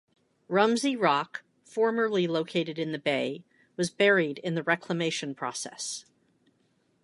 Rumsey Rock, formerly located in the bay, was buried in the reclamation process.